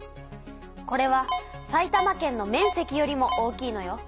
これは埼玉県の面積よりも大きいのよ。